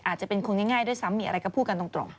อาจจะเป็นคนง่ายด้วยซ้ำมีอะไรก็พูดกันตรง